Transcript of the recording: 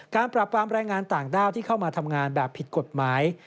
ปราบปรามแรงงานต่างด้าวที่เข้ามาทำงานแบบผิดกฎหมาย